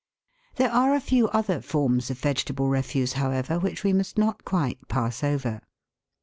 There are a few other forms of vegetable refuse, how ever, which we must not quite pass over.